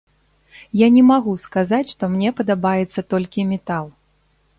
Я не магу сказаць, што мне падабаецца толькі метал.